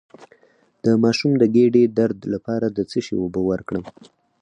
د ماشوم د ګیډې درد لپاره د څه شي اوبه ورکړم؟